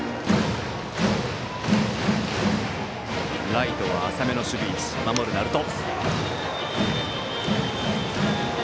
ライトは浅めの守備位置守る鳴門。